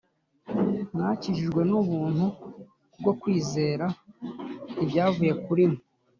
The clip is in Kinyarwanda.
Mwakijijwe n'ubuntu kubwo kwizera: ntibyavuye kuri mwe,